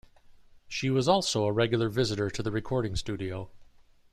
She was also a regular visitor to the recording studio.